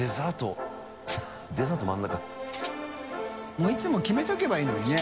發いつも決めておけばいいのにね。